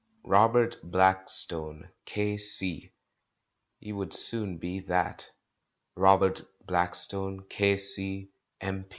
"Robert Blackstone, K.C." He would soon be that. "Robert Blackstone, K.C., M.